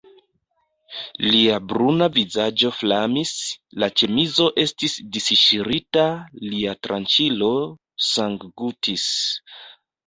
Lia bruna vizaĝo flamis, la ĉemizo estis disŝirita, lia tranĉilo sanggutis.